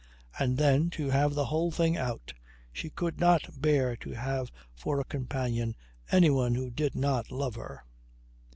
And then, to have the whole thing out, she could not bear to have for a companion anyone who did not love her.